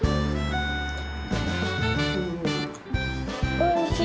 おいしい。